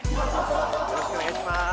よろしくお願いします。